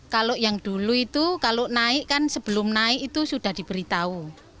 kalau yang dulu itu kalau naik kan sebelum naik itu sudah diberitahu